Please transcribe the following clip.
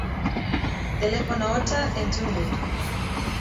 Telefono-hotsa entzun dut.